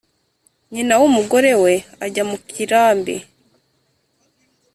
Nyina w'umugore we ajya mu kirambi